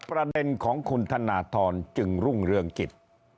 ประเด็นของคุณธนทรจึงรุ่งเรืองกิจ